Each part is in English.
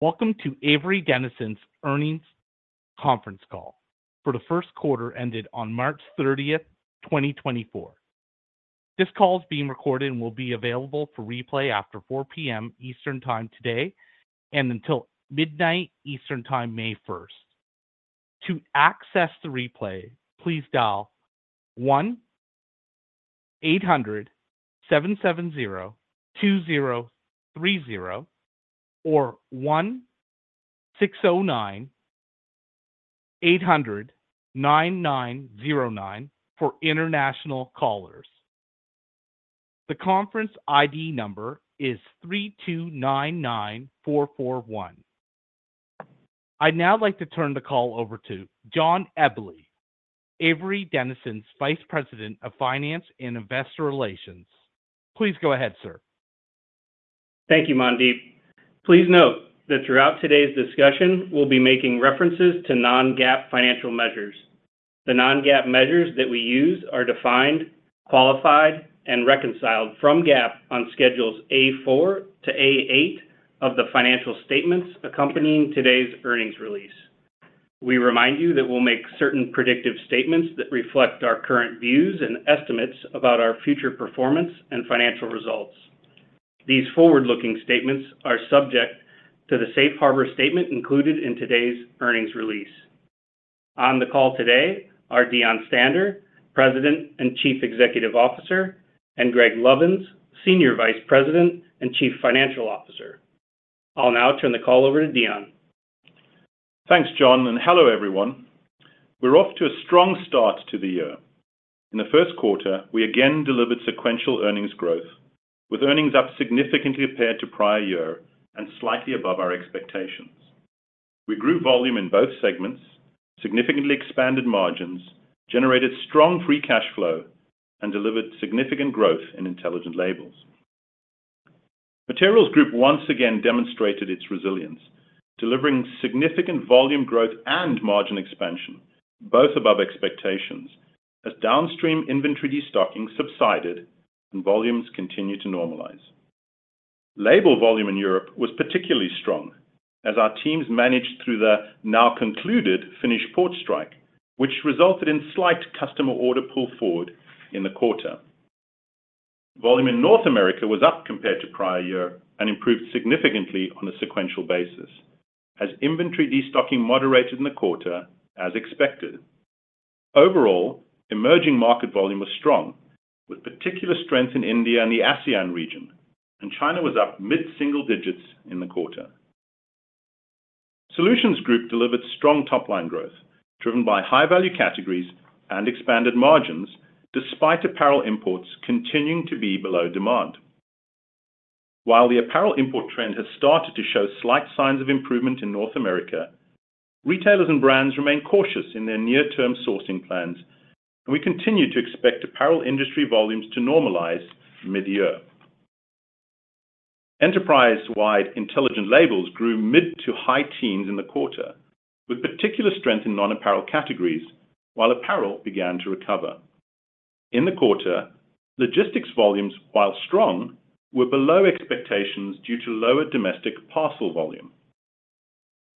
Welcome to Avery Dennison's earnings conference call for the first quarter ended on March 30, 2024. This call is being recorded and will be available for replay after 4:00 P.M. Eastern Time today and until midnight Eastern Time, May 1. To access the replay, please dial 1-800-770-2030 or 1-609-800-9909 for international callers. The conference ID number is 329941. I'd now like to turn the call over to John Eble, Avery Dennison's Vice President of Finance and Investor Relations. Please go ahead, sir. Thank you, Mandeep. Please note that throughout today's discussion, we'll be making references to non-GAAP financial measures. The non-GAAP measures that we use are defined, qualified, and reconciled from GAAP on Schedules A-4 to A-8 of the financial statements accompanying today's earnings release. We remind you that we'll make certain predictive statements that reflect our current views and estimates about our future performance and financial results. These forward-looking statements are subject to the safe harbor statement included in today's earnings release. On the call today are Deon Stander, President and Chief Executive Officer, and Greg Lovins, Senior Vice President and Chief Financial Officer. I'll now turn the call over to Deon. Thanks, John, and hello, everyone. We're off to a strong start to the year. In the first quarter, we again delivered sequential earnings growth, with earnings up significantly compared to prior year and slightly above our expectations. We grew volume in both segments, significantly expanded margins, generated strong free cash flow, and delivered significant growth in intelligent labels. Materials Group once again demonstrated its resilience, delivering significant volume growth and margin expansion, both above expectations, as downstream inventory destocking subsided and volumes continued to normalize. Label volume in Europe was particularly strong as our teams managed through the now concluded Finnish port strike, which resulted in slight customer order pull forward in the quarter. Volume in North America was up compared to prior year and improved significantly on a sequential basis as inventory destocking moderated in the quarter, as expected. Overall, emerging market volume was strong, with particular strength in India and the ASEAN region, and China was up mid-single digits in the quarter. Solutions Group delivered strong top-line growth, driven by high-value categories and expanded margins, despite apparel imports continuing to be below demand. While the apparel import trend has started to show slight signs of improvement in North America, retailers and brands remain cautious in their near-term sourcing plans, and we continue to expect apparel industry volumes to normalize mid-year. Enterprise-wide intelligent labels grew mid to high teens in the quarter, with particular strength in non-apparel categories, while apparel began to recover. In the quarter, logistics volumes, while strong, were below expectations due to lower domestic parcel volume.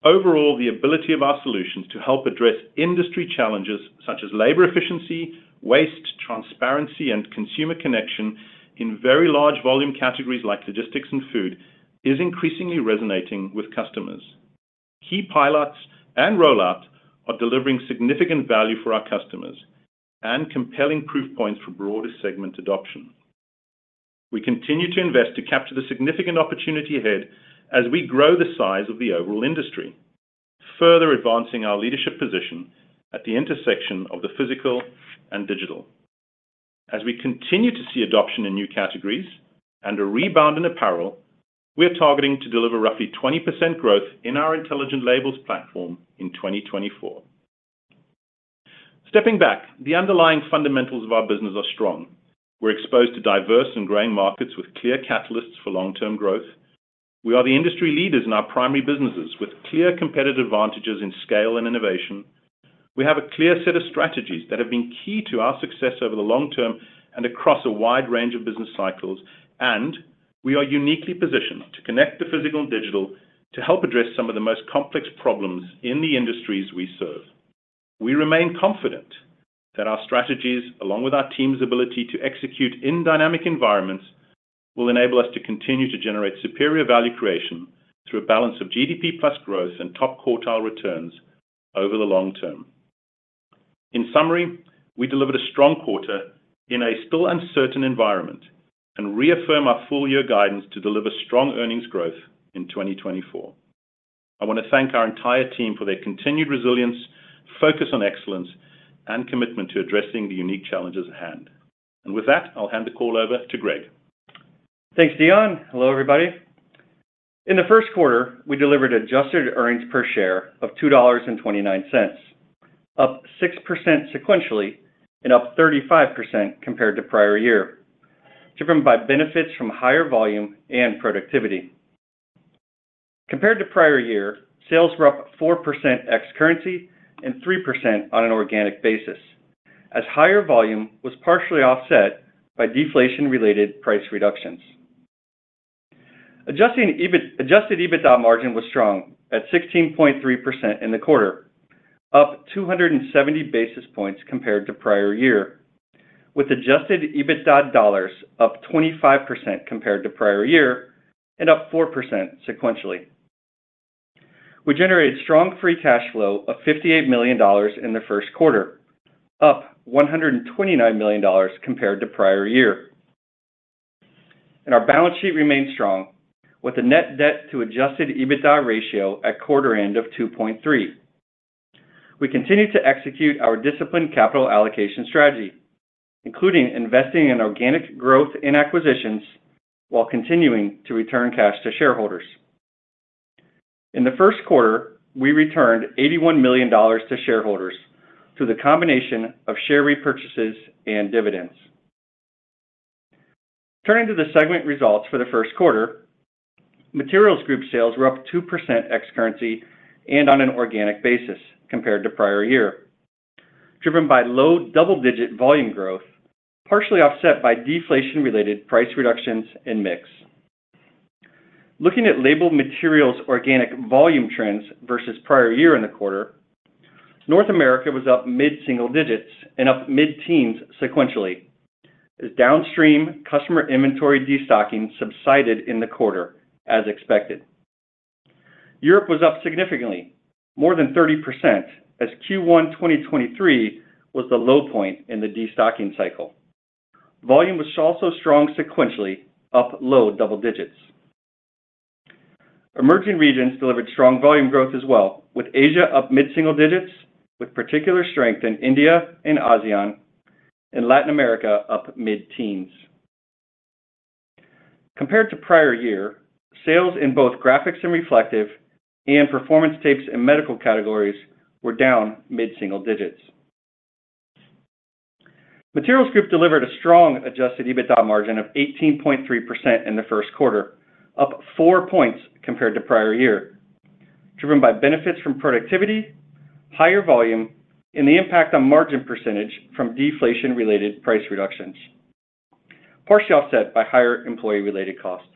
Overall, the ability of our solutions to help address industry challenges such as labor efficiency, waste, transparency, and consumer connection in very large volume categories like logistics and food, is increasingly resonating with customers. Key pilots and rollouts are delivering significant value for our customers and compelling proof points for broader segment adoption. We continue to invest to capture the significant opportunity ahead as we grow the size of the overall industry, further advancing our leadership position at the intersection of the physical and digital. As we continue to see adoption in new categories and a rebound in apparel, we are targeting to deliver roughly 20% growth in our intelligent labels platform in 2024. Stepping back, the underlying fundamentals of our business are strong. We're exposed to diverse and growing markets with clear catalysts for long-term growth. We are the industry leaders in our primary businesses, with clear competitive advantages in scale and innovation. We have a clear set of strategies that have been key to our success over the long term and across a wide range of business cycles, and we are uniquely positioned to connect the physical and digital to help address some of the most complex problems in the industries we serve. We remain confident that our strategies, along with our team's ability to execute in dynamic environments, will enable us to continue to generate superior value creation through a balance of GDP plus growth and top-quartile returns over the long term. In summary, we delivered a strong quarter in a still uncertain environment and reaffirm our full-year guidance to deliver strong earnings growth in 2024. I want to thank our entire team for their continued resilience, focus on excellence, and commitment to addressing the unique challenges at hand. With that, I'll hand the call over to Greg. Thanks, Deon. Hello, everybody. In the first quarter, we delivered adjusted EPS of $2.29, up 6% sequentially and up 35% compared to prior year, driven by benefits from higher volume and productivity. Compared to prior year, sales were up 4% ex currency and 3% on an organic basis.... as higher volume was partially offset by deflation-related price reductions. Adjusted EBITDA margin was strong at 16.3% in the quarter, up 270 basis points compared to prior year, with adjusted EBITDA dollars up 25% compared to prior year and up 4% sequentially. We generated strong free cash flow of $58 million in the first quarter, up $129 million compared to prior year. Our balance sheet remains strong, with a net debt to adjusted EBITDA ratio at quarter end of 2.3. We continue to execute our disciplined capital allocation strategy, including investing in organic growth and acquisitions while continuing to return cash to shareholders. In the first quarter, we returned $81 million to shareholders through the combination of share repurchases and dividends. Turning to the segment results for the first quarter, Materials Group sales were up 2% ex-currency and on an organic basis compared to prior year, driven by low double-digit volume growth, partially offset by deflation-related price reductions and mix. Looking at Label Materials organic volume trends versus prior year in the quarter, North America was up mid-single digits and up mid-teens sequentially, as downstream customer inventory destocking subsided in the quarter, as expected. Europe was up significantly, more than 30%, as Q1 2023 was the low point in the destocking cycle. Volume was also strong sequentially, up low double digits. Emerging regions delivered strong volume growth as well, with Asia up mid-single digits, with particular strength in India and ASEAN, and Latin America up mid-teens. Compared to prior year, sales in both Graphics and Reflectives and Performance Tapes and Medical categories were down mid-single digits. Materials Group delivered a strong adjusted EBITDA margin of 18.3% in the first quarter, up 4 points compared to prior year, driven by benefits from productivity, higher volume, and the impact on margin percentage from deflation-related price reductions, partially offset by higher employee-related costs.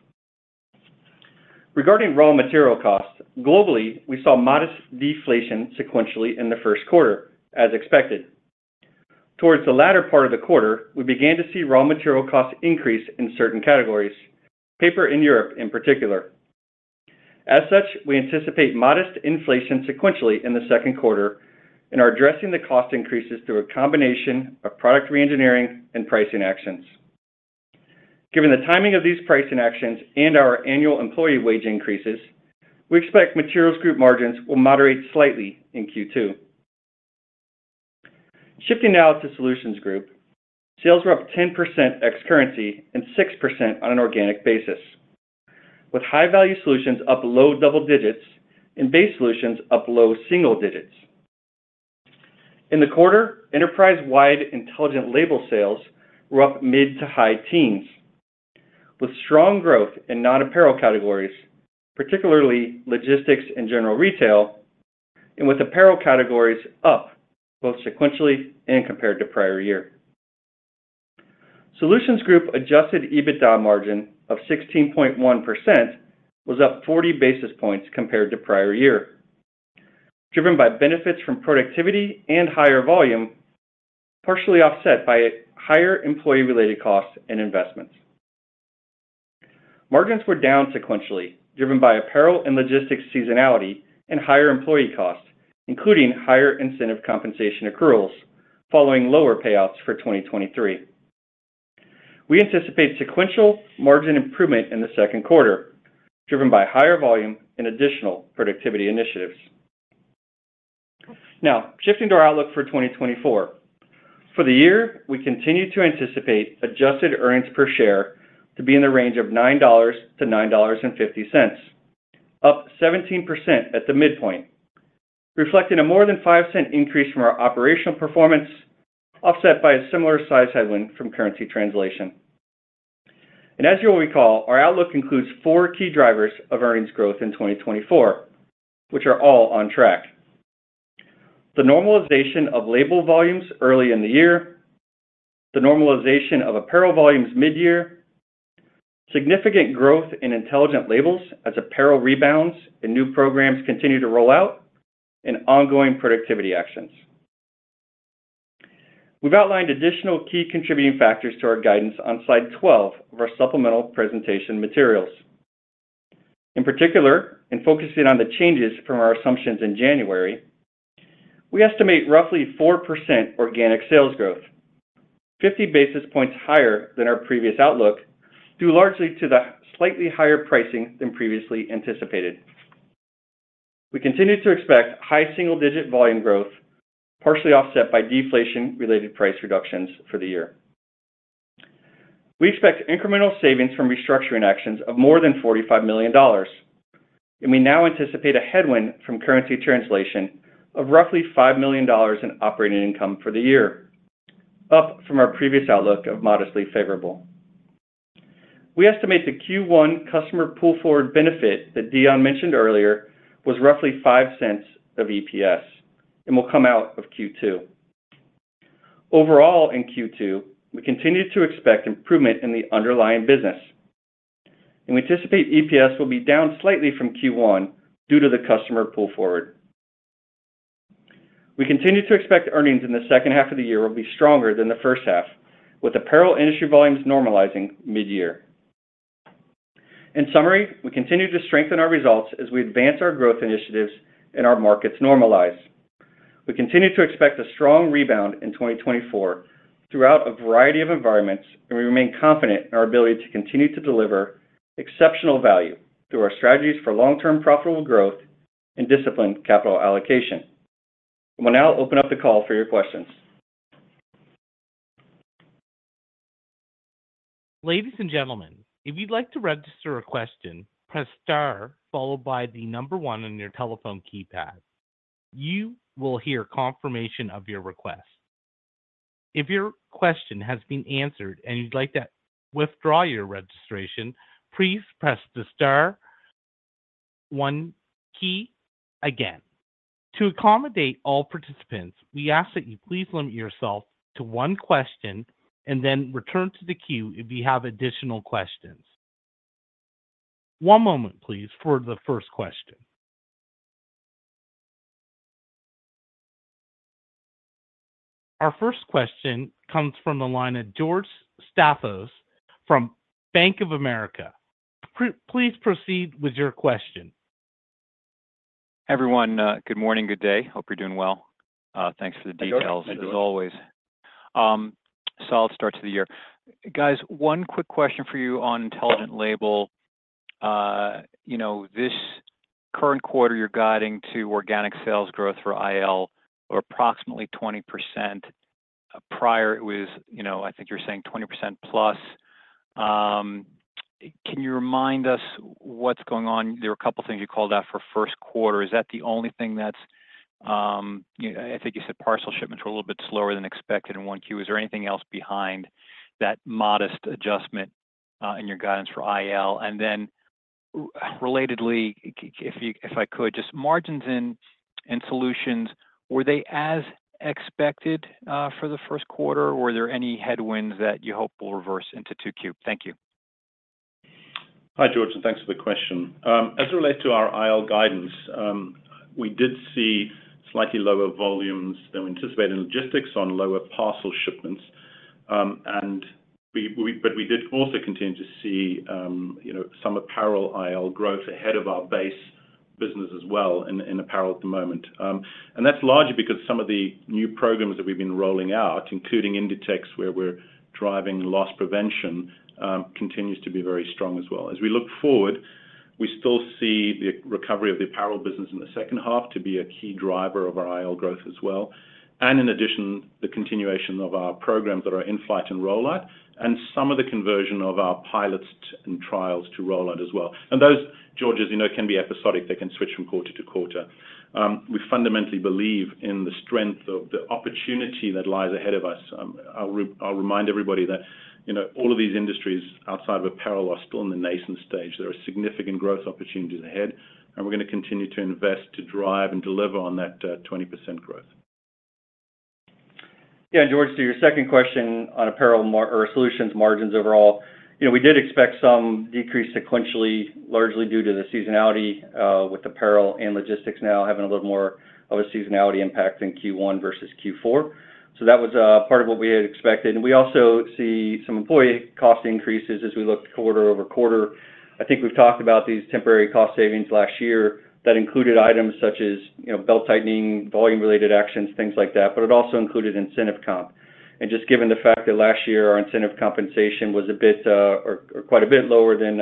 Regarding raw material costs, globally, we saw modest deflation sequentially in the first quarter, as expected. Towards the latter part of the quarter, we began to see raw material costs increase in certain categories, paper in Europe in particular. As such, we anticipate modest inflation sequentially in the second quarter and are addressing the cost increases through a combination of product reengineering and pricing actions. Given the timing of these pricing actions and our annual employee wage increases, we expect Materials Group margins will moderate slightly in Q2. Shifting now to Solutions Group. Sales were up 10% ex-currency and 6% on an organic basis, with high-value solutions up low double digits and base solutions up low single digits. In the quarter, enterprise-wide intelligent label sales were up mid- to high-teens, with strong growth in non-apparel categories, particularly logistics and general retail, and with apparel categories up both sequentially and compared to prior year. Solutions Group adjusted EBITDA margin of 16.1% was up 40 basis points compared to prior year, driven by benefits from productivity and higher volume, partially offset by higher employee-related costs and investments. Margins were down sequentially, driven by apparel and logistics seasonality and higher employee costs, including higher incentive compensation accruals, following lower payouts for 2023. We anticipate sequential margin improvement in the second quarter, driven by higher volume and additional productivity initiatives. Now, shifting to our outlook for 2024. For the year, we continue to anticipate adjusted earnings per share to be in the range of $9-$9.50, up 17% at the midpoint, reflecting a more than $0.05 increase from our operational performance, offset by a similar size headwind from currency translation. As you'll recall, our outlook includes four key drivers of earnings growth in 2024, which are all on track. The normalization of label volumes early in the year, the normalization of apparel volumes mid-year, significant growth in intelligent labels as apparel rebounds and new programs continue to roll out, and ongoing productivity actions. We've outlined additional key contributing factors to our guidance on slide 12 of our supplemental presentation materials. In particular, in focusing on the changes from our assumptions in January, we estimate roughly 4% organic sales growth, 50 basis points higher than our previous outlook, due largely to the slightly higher pricing than previously anticipated. We continue to expect high single-digit volume growth, partially offset by deflation related price reductions for the year. We expect incremental savings from restructuring actions of more than $45 million, and we now anticipate a headwind from currency translation of roughly $5 million in operating income for the year, up from our previous outlook of modestly favorable. We estimate the Q1 customer pull forward benefit that Deon mentioned earlier was roughly $0.05 of EPS and will come out of Q2. Overall, in Q2, we continue to expect improvement in the underlying business, and we anticipate EPS will be down slightly from Q1 due to the customer pull forward. We continue to expect earnings in the second half of the year will be stronger than the first half, with apparel industry volumes normalizing mid-year. In summary, we continue to strengthen our results as we advance our growth initiatives and our markets normalize. We continue to expect a strong rebound in 2024 throughout a variety of environments, and we remain confident in our ability to continue to deliver exceptional value through our strategies for long-term profitable growth and disciplined capital allocation. We'll now open up the call for your questions. Ladies and gentlemen, if you'd like to register a question, press star followed by the number one on your telephone keypad. You will hear confirmation of your request. If your question has been answered and you'd like to withdraw your registration, please press the star one key again. To accommodate all participants, we ask that you please limit yourself to one question and then return to the queue if you have additional questions. One moment, please, for the first question. Our first question comes from the line of George Staphos from Bank of America. Please proceed with your question. Everyone, good morning, good day. Hope you're doing well. Thanks for the details- Hi, George... as always. Solid start to the year. Guys, one quick question for you on intelligent label. You know, this current quarter, you're guiding to organic sales growth for IL or approximately 20%. Prior, it was, you know, I think you're saying 20%+. Can you remind us what's going on? There were a couple of things you called out for first quarter. Is that the only thing that's, I think you said parcel shipments were a little bit slower than expected in 1Q. Is there anything else behind that modest adjustment in your guidance for IL? And then, relatedly, if I could, just margins in solutions, were they as expected for the first quarter, or were there any headwinds that you hope will reverse into 2Q? Thank you. Hi, George, and thanks for the question. As it relates to our IL guidance, we did see slightly lower volumes than we anticipated in logistics on lower parcel shipments. And, but we did also continue to see, you know, some apparel IL growth ahead of our base business as well in apparel at the moment. And that's largely because some of the new programs that we've been rolling out, including Inditex, where we're driving loss prevention, continues to be very strong as well. As we look forward, we still see the recovery of the apparel business in the second half to be a key driver of our IL growth as well. And in addition, the continuation of our programs that are in flight and rollout, and some of the conversion of our pilots and trials to rollout as well. Those, George, as you know, can be episodic. They can switch from quarter to quarter. We fundamentally believe in the strength of the opportunity that lies ahead of us. I'll remind everybody that, you know, all of these industries outside of apparel are still in the nascent stage. There are significant growth opportunities ahead, and we're going to continue to invest to drive and deliver on that 20% growth. Yeah, George, to your second question on apparel or solutions margins overall. You know, we did expect some decrease sequentially, largely due to the seasonality with apparel and logistics now having a little more of a seasonality impact in Q1 versus Q4. So that was part of what we had expected. And we also see some employee cost increases as we looked quarter-over-quarter. I think we've talked about these temporary cost savings last year that included items such as, you know, belt-tightening, volume-related actions, things like that, but it also included incentive comp. And just given the fact that last year our incentive compensation was a bit or quite a bit lower than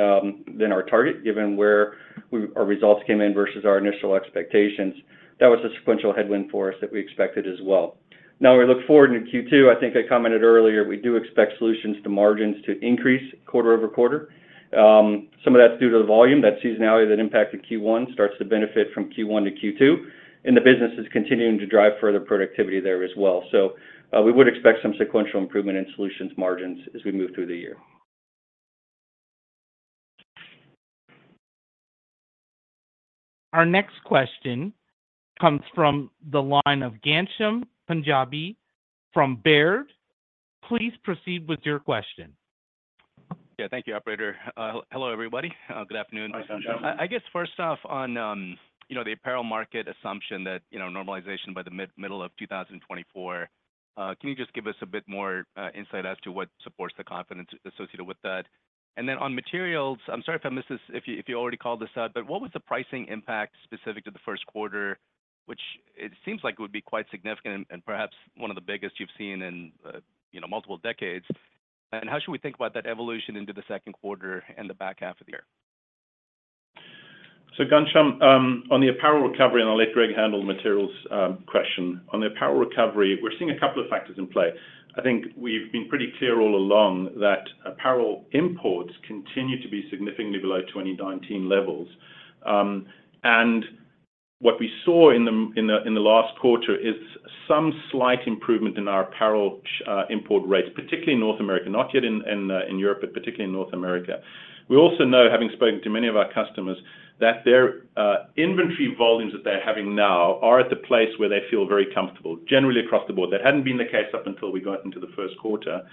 our target, given where we, our results came in versus our initial expectations, that was a sequential headwind for us that we expected as well. Now we look forward into Q2, I think I commented earlier, we do expect solutions to margins to increase quarter over quarter. Some of that's due to the volume, that seasonality that impacted Q1 starts to benefit from Q1 to Q2, and the business is continuing to drive further productivity there as well. So, we would expect some sequential improvement in solutions margins as we move through the year. Our next question comes from the line of Ghansham Panjabi from Baird. Please proceed with your question. Yeah. Thank you, operator. Hello, everybody. Good afternoon. Hi, Ghansham. I guess first off on, you know, the apparel market assumption that, you know, normalization by the mid-middle of 2024, can you just give us a bit more insight as to what supports the confidence associated with that? And then on materials, I'm sorry if I missed this, if you already called this out, but what was the pricing impact specific to the first quarter, which it seems like it would be quite significant and perhaps one of the biggest you've seen in, you know, multiple decades? And how should we think about that evolution into the second quarter and the back half of the year? So, Ghansham, on the apparel recovery, and I'll let Greg handle the materials question. On the apparel recovery, we're seeing a couple of factors in play. I think we've been pretty clear all along that apparel imports continue to be significantly below 2019 levels. What we saw in the last quarter is some slight improvement in our apparel import rates, particularly in North America, not yet in Europe, but particularly in North America. We also know, having spoken to many of our customers, that their inventory volumes that they're having now are at the place where they feel very comfortable, generally across the board. That hadn't been the case up until we got into the first quarter.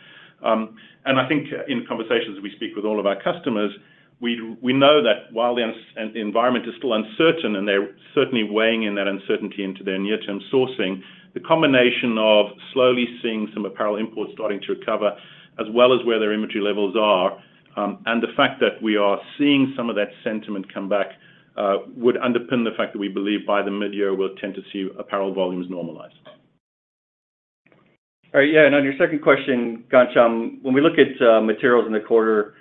And I think in conversations we speak with all of our customers, we know that while the uncertainty and the environment is still uncertain, and they're certainly weighing in that uncertainty into their near-term sourcing, the combination of slowly seeing some apparel imports starting to recover, as well as where their inventory levels are, and the fact that we are seeing some of that sentiment come back, would underpin the fact that we believe by the midyear, we'll tend to see apparel volumes normalize. All right. Yeah, and on your second question, Ghansham, when we look at materials in the quarter,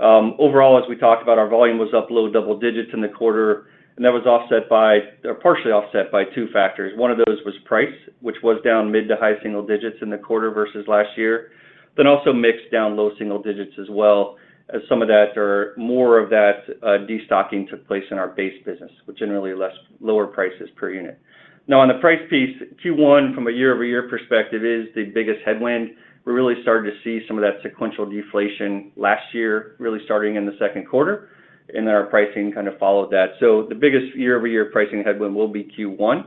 overall, as we talked about, our volume was up low double digits in the quarter, and that was offset by or partially offset by two factors. One of those was price, which was down mid to high single digits in the quarter versus last year. Then also mix down low single digits as well, as some of that or more of that, destocking took place in our base business, which generally has lower prices per unit. Now, on the price piece, Q1 from a year-over-year perspective is the biggest headwind. We're really starting to see some of that sequential deflation last year, really starting in the second quarter, and then our pricing kind of followed that. So the biggest year-over-year pricing headwind will be Q1.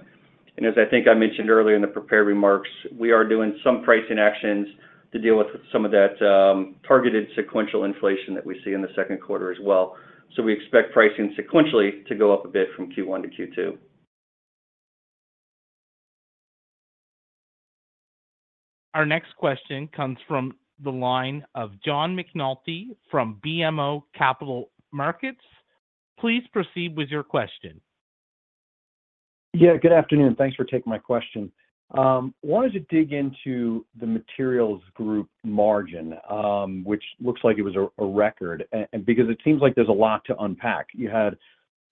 As I think I mentioned earlier in the prepared remarks, we are doing some pricing actions to deal with some of that, targeted sequential inflation that we see in the second quarter as well. We expect pricing sequentially to go up a bit from Q1 to Q2. Our next question comes from the line of John McNulty from BMO Capital Markets. Please proceed with your question. Yeah, good afternoon. Thanks for taking my question. Wanted to dig into the materials group margin, which looks like it was a record. And because it seems like there's a lot to unpack. You had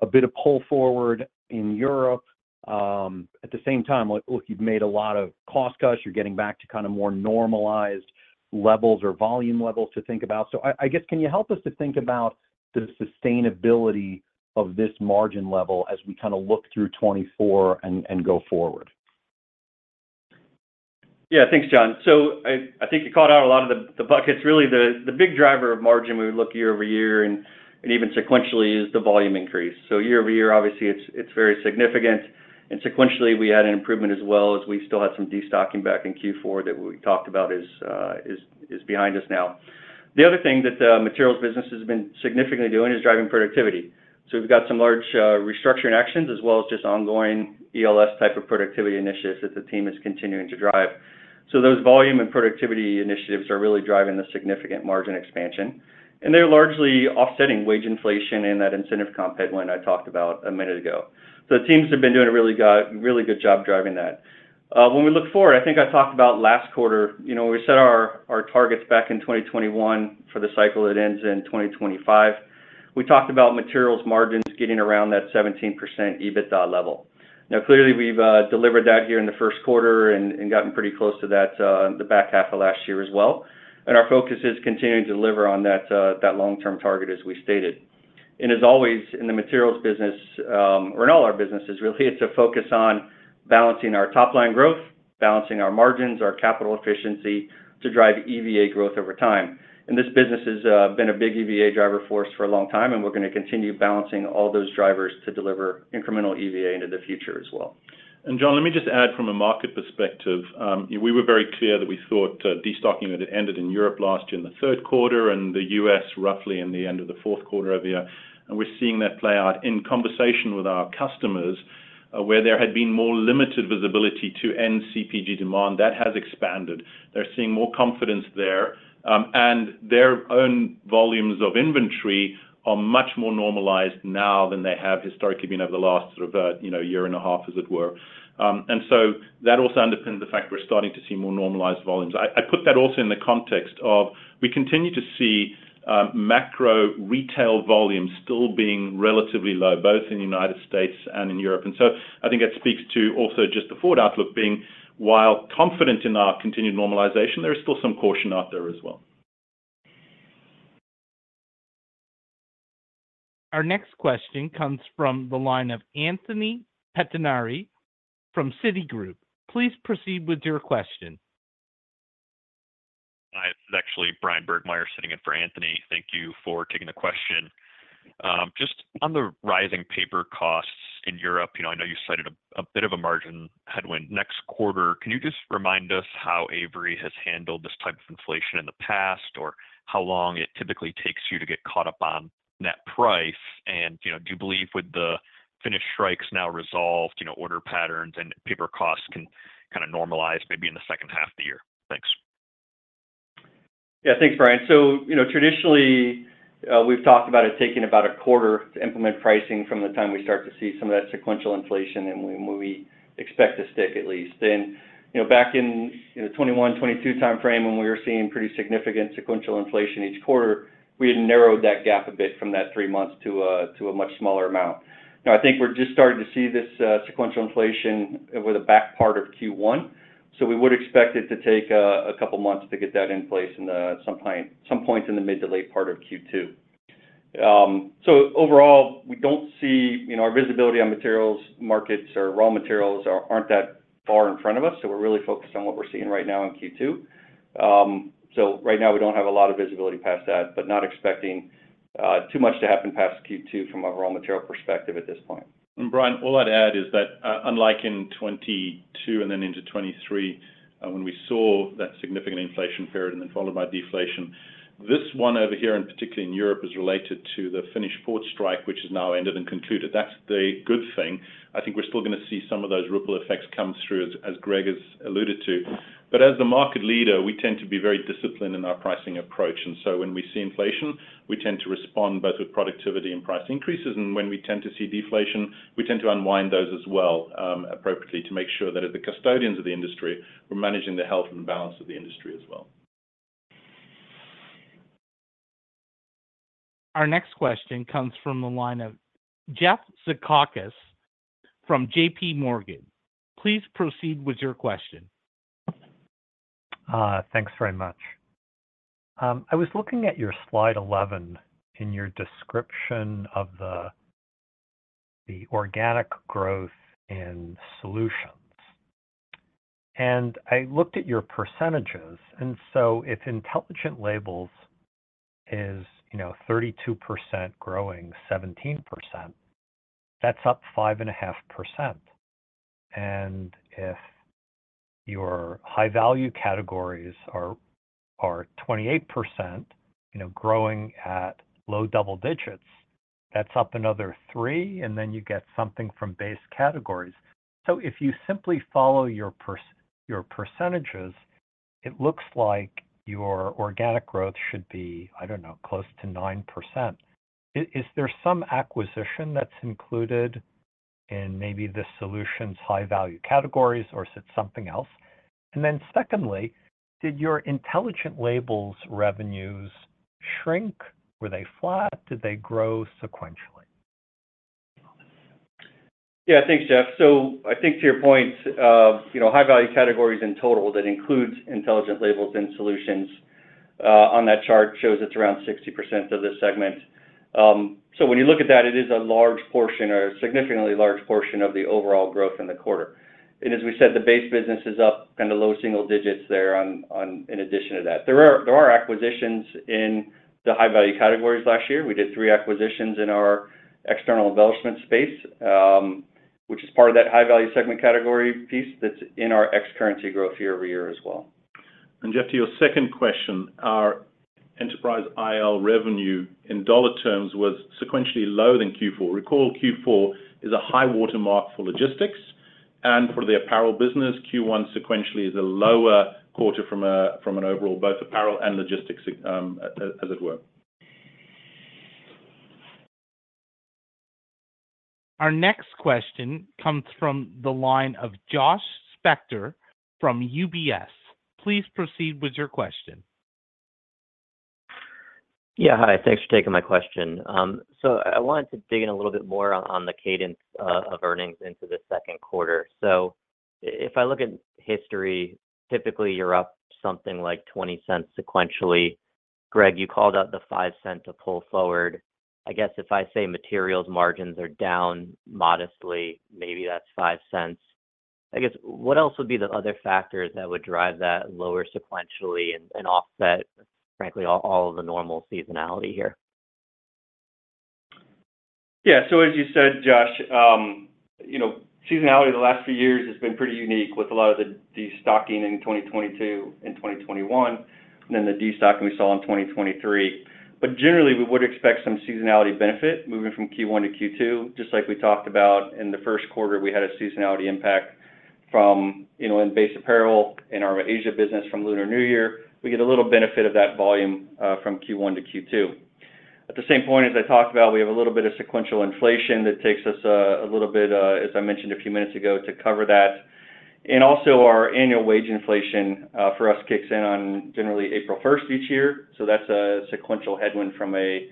a bit of pull forward in Europe, at the same time, like, look, you've made a lot of cost cuts. You're getting back to kind of more normalized levels or volume levels to think about. So I guess, can you help us to think about the sustainability of this margin level as we kind of look through 2024 and go forward? Yeah, thanks, John. So I think you caught out a lot of the buckets. Really, the big driver of margin we would look year-over-year and even sequentially is the volume increase. So year-over-year, obviously, it's very significant, and sequentially, we had an improvement as well as we still had some destocking back in Q4 that we talked about is behind us now. The other thing that materials business has been significantly doing is driving productivity. So we've got some large restructuring actions as well as just ongoing ELS type of productivity initiatives that the team is continuing to drive. So those volume and productivity initiatives are really driving the significant margin expansion, and they're largely offsetting wage inflation and that incentive comp headwind I talked about a minute ago. The teams have been doing a really good job driving that. When we look forward, I think I talked about last quarter, you know, we set our targets back in 2021 for the cycle that ends in 2025. We talked about materials margins getting around that 17% EBITDA level. Now, clearly, we've delivered that here in the first quarter and gotten pretty close to that the back half of last year as well. Our focus is continuing to deliver on that long-term target, as we stated. As always, in the materials business, or in all our businesses, really, it's a focus on balancing our top line growth, balancing our margins, our capital efficiency to drive EVA growth over time. This business has been a big EVA driver for us for a long time, and we're gonna continue balancing all those drivers to deliver incremental EVA into the future as well. And John, let me just add from a market perspective, we were very clear that we thought destocking had ended in Europe last year in the third quarter and the U.S. roughly in the end of the fourth quarter of the year. And we're seeing that play out in conversation with our customers, where there had been more limited visibility to end CPG demand. That has expanded. They're seeing more confidence there, and their own volumes of inventory are much more normalized now than they have historically been over the last sort of, you know, year and a half, as it were. And so that also underpins the fact we're starting to see more normalized volumes. I put that also in the context of we continue to see macro retail volumes still being relatively low, both in the United States and in Europe. And so I think that speaks to also just the forward outlook being, while confident in our continued normalization, there is still some caution out there as well. Our next question comes from the line of Anthony Pettinari from Citigroup. Please proceed with your question. Hi, this is actually Brian Burgmeier sitting in for Anthony. Thank you for taking the question. Just on the rising paper costs in Europe, you know, I know you cited a bit of a margin headwind next quarter. Can you just remind us how Avery has handled this type of inflation in the past, or how long it typically takes you to get caught up on net price? And, you know, do you believe with the Finnish strikes now resolved, you know, order patterns and paper costs can kind of normalize maybe in the second half of the year? Thanks. Yeah, thanks, Brian. So, you know, traditionally, we've talked about it taking about a quarter to implement pricing from the time we start to see some of that sequential inflation and when we expect to stick, at least. Then, you know, back in the 2021-2022 timeframe, when we were seeing pretty significant sequential inflation each quarter, we had narrowed that gap a bit from that 3 months to a much smaller amount. Now, I think we're just starting to see this sequential inflation with the back part of Q1, so we would expect it to take a couple of months to get that in place in the... some point in the mid to late part of Q2. So overall, we don't see, you know, our visibility on materials markets or raw materials are, aren't that far in front of us, so we're really focused on what we're seeing right now in Q2. So right now, we don't have a lot of visibility past that, but not expecting too much to happen past Q2 from a raw material perspective at this point. And Brian, all I'd add is that, unlike in 2022 and then into 2023, when we saw that significant inflation period and then followed by deflation, this one over here, and particularly in Europe, is related to the Finnish port strike, which has now ended and concluded. That's the good thing. I think we're still gonna see some of those ripple effects come through, as, as Greg has alluded to. But as the market leader, we tend to be very disciplined in our pricing approach, and so when we see inflation, we tend to respond both with productivity and price increases, and when we tend to see deflation, we tend to unwind those as well, appropriately, to make sure that as the custodians of the industry, we're managing the health and balance of the industry as well. Our next question comes from the line of Jeff Zekauskas from JPMorgan. Please proceed with your question. Thanks very much. I was looking at your slide 11 in your description of the organic growth in solutions, and I looked at your percentages, and so if intelligent labels is, you know, 32% growing 17%, that's up 5.5%. And if your high-value categories are 28%, you know, growing at low double digits, that's up another 3%, and then you get something from base categories. So if you simply follow your percentages, it looks like your organic growth should be, I don't know, close to 9%. Is there some acquisition that's included in maybe the solutions high-value categories, or is it something else? And then secondly, did your intelligent labels revenues shrink? Were they flat? Did they grow sequentially? Yeah, thanks, Jeff. So I think to your point, you know, high-value categories in total, that includes intelligent labels and solutions, on that chart, shows it's around 60% of the segment. So when you look at that, it is a large portion or a significantly large portion of the overall growth in the quarter. And as we said, the base business is up kind of low single digits there on in addition to that. There are acquisitions in the high-value categories last year. We did three acquisitions in our external embellishment space, which is part of that high-value segment category piece that's in our ex-currency growth year-over-year as well. Jeff, to your second question, our enterprise IL revenue in dollar terms was sequentially lower than Q4. Recall, Q4 is a high-water mark for logistics and for the apparel business. Q1 sequentially is a lower quarter from an overall, both apparel and logistics, as it were. Our next question comes from the line of Josh Spector from UBS. Please proceed with your question. Yeah, hi. Thanks for taking my question. So I wanted to dig in a little bit more on the cadence of earnings into the second quarter. So if I look at history, typically, you're up something like $0.20 sequentially. Greg, you called out the $0.05 to pull forward. I guess if I say materials margins are down modestly, maybe that's $0.05. I guess, what else would be the other factors that would drive that lower sequentially and offset, frankly, all of the normal seasonality here? Yeah. So as you said, Josh, you know, seasonality the last few years has been pretty unique, with a lot of the destocking in 2022 and 2021, and then the destocking we saw in 2023. But generally, we would expect some seasonality benefit moving from Q1 to Q2, just like we talked about in the first quarter. We had a seasonality impact from, you know, in base apparel in our Asia business from Lunar New Year. We get a little benefit of that volume from Q1 to Q2. At the same point, as I talked about, we have a little bit of sequential inflation that takes us a little bit, as I mentioned a few minutes ago, to cover that. Also, our annual wage inflation for us kicks in on generally April 1st each year, so that's a sequential headwind from a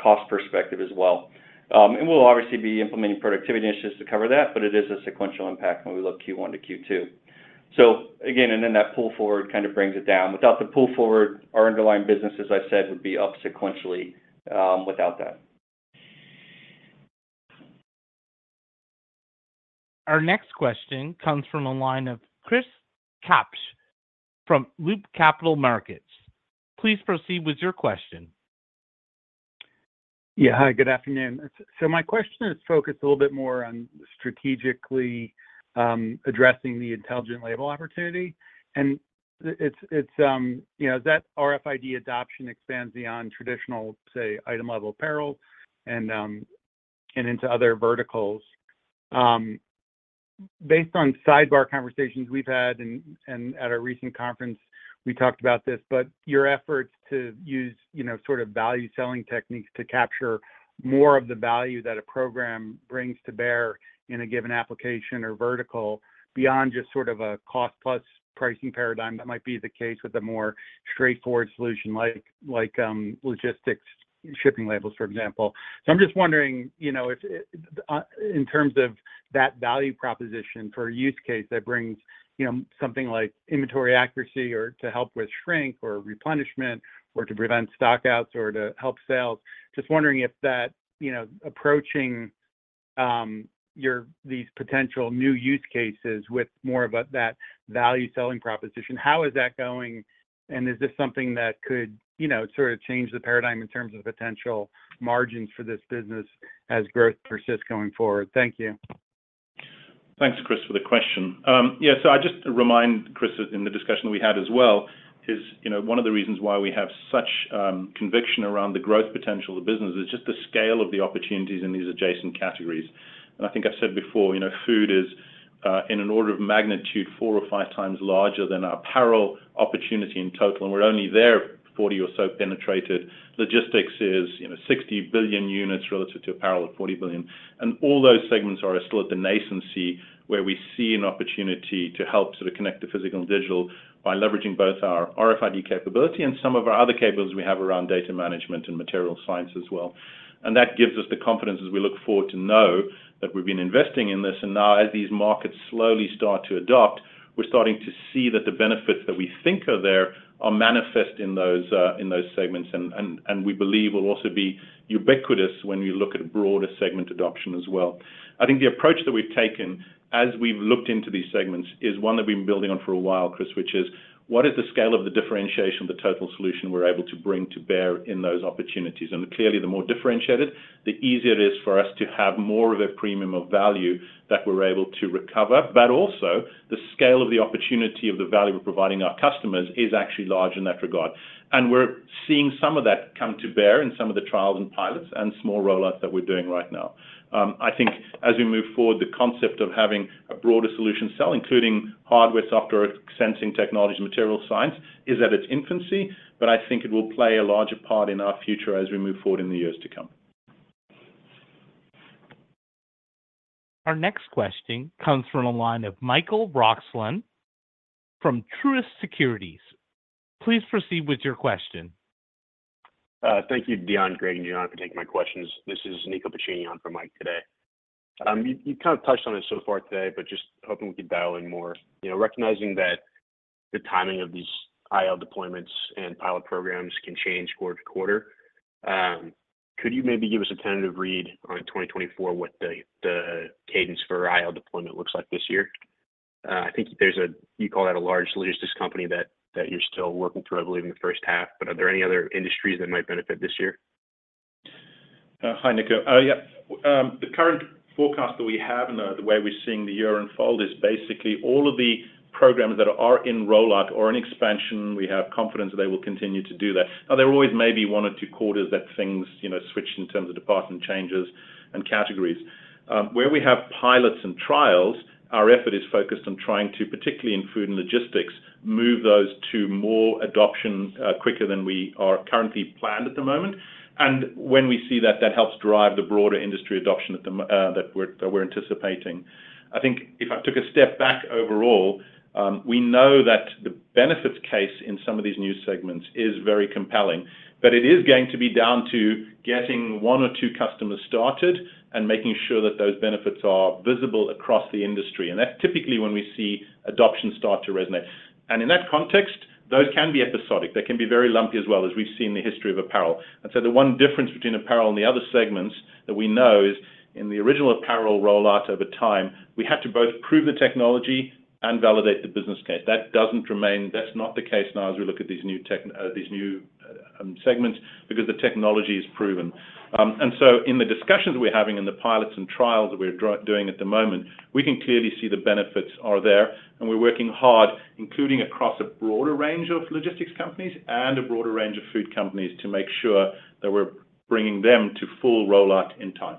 cost perspective as well. We'll obviously be implementing productivity initiatives to cover that, but it is a sequential impact when we look Q1 to Q2. Again, and then that pull forward kind of brings it down. Without the pull forward, our underlying business, as I said, would be up sequentially, without that. Our next question comes from a line of Chris Kapsch from Loop Capital Markets. Please proceed with your question. Yeah. Hi, good afternoon. So my question is focused a little bit more on strategically addressing the intelligent label opportunity. And it's, it's, you know, that RFID adoption expands beyond traditional, say, item-level apparel and into other verticals. Based on sidebar conversations we've had and at a recent conference, we talked about this, but your efforts to use, you know, sort of value-selling techniques to capture more of the value that a program brings to bear in a given application or vertical, beyond just sort of a cost-plus pricing paradigm, that might be the case with a more straightforward solution, like logistics shipping labels, for example. I'm just wondering, you know, if, in terms of that value proposition for a use case that brings, you know, something like inventory accuracy or to help with shrink or replenishment, or to prevent stock outs, or to help sales, just wondering if that, you know, approaching—... your, these potential new use cases with more about that value selling proposition, how is that going? And is this something that could, you know, sort of change the paradigm in terms of potential margins for this business as growth persists going forward? Thank you. Thanks, Chris, for the question. Yeah, so I just remind Chris, in the discussion we had as well, is, you know, one of the reasons why we have such conviction around the growth potential of business is just the scale of the opportunities in these adjacent categories. And I think I've said before, you know, food is in an order of magnitude, four or five times larger than our apparel opportunity in total, and we're only there 40 or so penetrated. Logistics is, you know, 60 billion units relative to apparel at 40 billion. And all those segments are still at the nascency, where we see an opportunity to help sort of connect the physical and digital by leveraging both our RFID capability and some of our other capabilities we have around data management and material science as well. That gives us the confidence as we look forward to know that we've been investing in this, and now, as these markets slowly start to adopt, we're starting to see that the benefits that we think are there are manifest in those, in those segments, and we believe will also be ubiquitous when we look at broader segment adoption as well. I think the approach that we've taken as we've looked into these segments is one that we've been building on for a while, Chris, which is: what is the scale of the differentiation, the total solution we're able to bring to bear in those opportunities? And clearly, the more differentiated, the easier it is for us to have more of a premium of value that we're able to recover. But also, the scale of the opportunity of the value we're providing our customers is actually large in that regard. And we're seeing some of that come to bear in some of the trials and pilots and small rollouts that we're doing right now. I think as we move forward, the concept of having a broader solution sell, including hardware, software, sensing technology, and material science, is at its infancy, but I think it will play a larger part in our future as we move forward in the years to come. Our next question comes from the line of Michael Roxland from Truist Securities. Please proceed with your question. Thank you, Deon, Greg, and John, for taking my questions. This is Nico Piquero in for Mike today. You kind of touched on it so far today, but just hoping we could dial in more. You know, recognizing that the timing of these IL deployments and pilot programs can change quarter to quarter, could you maybe give us a tentative read on 2024, what the cadence for IL deployment looks like this year? I think there's a... You call that a large logistics company that you're still working through, I believe, in the first half, but are there any other industries that might benefit this year? Hi, Nico. Yeah, the current forecast that we have and the way we're seeing the year unfold is basically all of the programs that are in rollout or in expansion, we have confidence that they will continue to do that. Now, there are always maybe one or two quarters that things, you know, switch in terms of department changes and categories. Where we have pilots and trials, our effort is focused on trying to, particularly in food and logistics, move those to more adoption quicker than we are currently planned at the moment. And when we see that, that helps drive the broader industry adoption that we're anticipating. I think if I took a step back overall, we know that the benefits case in some of these new segments is very compelling, but it is going to be down to getting one or two customers started and making sure that those benefits are visible across the industry. And that's typically when we see adoption start to resonate. And in that context, those can be episodic. They can be very lumpy as well, as we've seen in the history of apparel. And so the one difference between apparel and the other segments that we know is in the original apparel rollout over time, we had to both prove the technology and validate the business case. That doesn't remain. That's not the case now as we look at these new tech, these new segments, because the technology is proven. And so in the discussions we're having in the pilots and trials that we're doing at the moment, we can clearly see the benefits are there, and we're working hard, including across a broader range of logistics companies and a broader range of food companies, to make sure that we're bringing them to full rollout in time.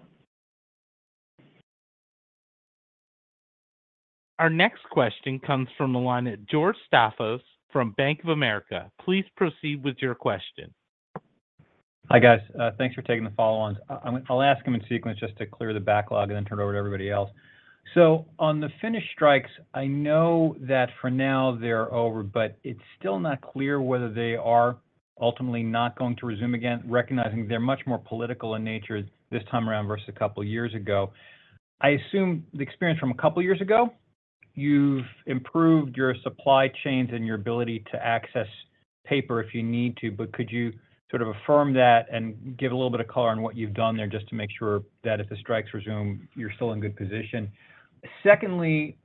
Our next question comes from the line at George Staphos from Bank of America. Please proceed with your question. Hi, guys. Thanks for taking the follow-ons. I, I'll ask them in sequence just to clear the backlog and then turn it over to everybody else. So on the Finnish strikes, I know that for now they're over, but it's still not clear whether they are ultimately not going to resume again, recognizing they're much more political in nature this time around versus a couple of years ago. I assume the experience from a couple of years ago, you've improved your supply chains and your ability to access paper if you need to, but could you sort of affirm that and give a little bit of color on what you've done there, just to make sure that if the strikes resume, you're still in good position? Secondly,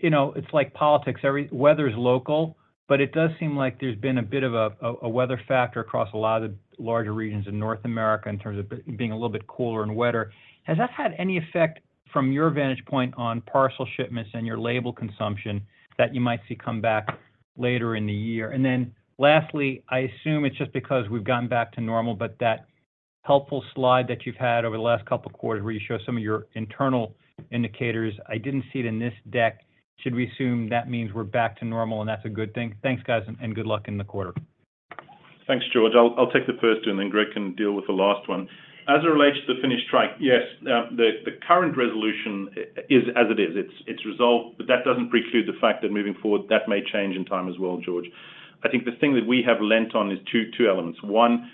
you know, it's like politics, every weather is local, but it does seem like there's been a bit of a weather factor across a lot of the larger regions of North America in terms of being a little bit cooler and wetter. Has that had any effect from your vantage point on parcel shipments and your label consumption that you might see come back later in the year? And then lastly, I assume it's just because we've gotten back to normal, but that helpful slide that you've had over the last couple of quarters where you show some of your internal indicators, I didn't see it in this deck. Should we assume that means we're back to normal, and that's a good thing? Thanks, guys, and good luck in the quarter. Thanks, George. I'll take the first one, and then Greg can deal with the last one. As it relates to the Finnish strike, yes, the current resolution is as it is, it's resolved, but that doesn't preclude the fact that moving forward, that may change in time as well, George. I think the thing that we have leaned on is two elements. One,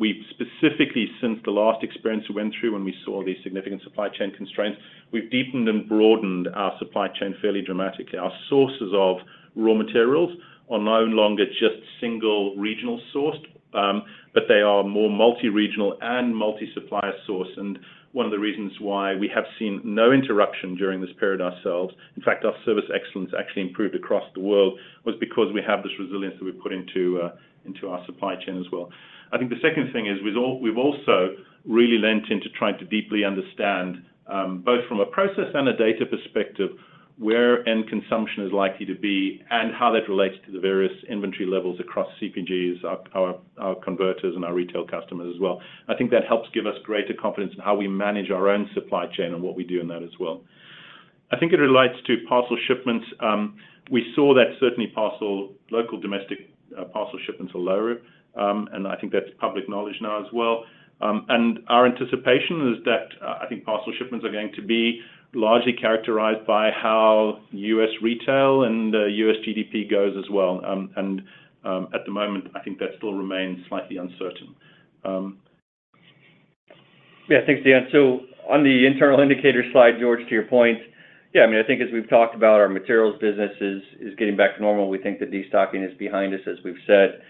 we've specifically, since the last experience we went through, when we saw these significant supply chain constraints, we've deepened and broadened our supply chain fairly dramatically. Our sources of raw materials are no longer just single regional sourced, but they are more multi-regional and multi-supplier sourced. One of the reasons why we have seen no interruption during this period ourselves, in fact, our service excellence actually improved across the world, was because we have this resilience that we've put into our supply chain as well. I think the second thing is we've also really lent into trying to deeply understand both from a process and a data perspective, where end consumption is likely to be, and how that relates to the various inventory levels across CPGs, our converters and our retail customers as well. I think that helps give us greater confidence in how we manage our own supply chain and what we do in that as well. I think it relates to parcel shipments. We saw that certainly parcel, local domestic parcel shipments are lower, and I think that's public knowledge now as well. Our anticipation is that, I think parcel shipments are going to be largely characterized by how U.S. retail and U.S. GDP goes as well. At the moment, I think that still remains slightly uncertain. Yeah, thanks, Deon. So on the internal indicator slide, George, to your point, yeah, I mean, I think as we've talked about, our materials business is getting back to normal. We think that destocking is behind us, as we've said.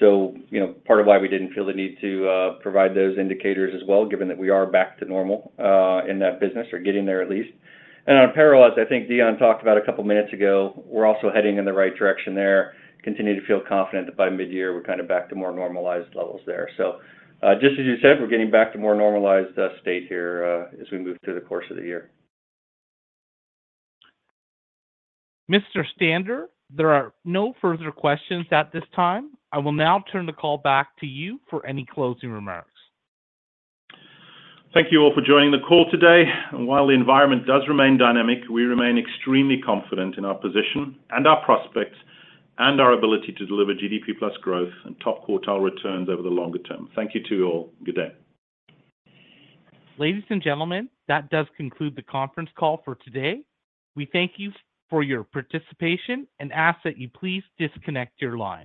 So, you know, part of why we didn't feel the need to provide those indicators as well, given that we are back to normal in that business or getting there at least. And on Materials, I think Deon talked about a couple of minutes ago, we're also heading in the right direction there. Continue to feel confident that by midyear, we're kind of back to more normalized levels there. So, just as you said, we're getting back to more normalized state here as we move through the course of the year. Mr. Stander, there are no further questions at this time. I will now turn the call back to you for any closing remarks. Thank you all for joining the call today, and while the environment does remain dynamic, we remain extremely confident in our position, and our prospects, and our ability to deliver GDP plus growth and top quartile returns over the longer term. Thank you to you all. Good day. Ladies and gentlemen, that does conclude the conference call for today. We thank you for your participation and ask that you please disconnect your line.